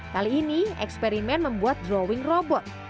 kali ini eksperimen membuat drawing robot